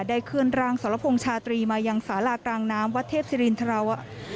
ได้เคลื่อนรังสรพงษ์ชาตรีมาอย่างสารากรางน้ำวัดเทพศรีรินทราว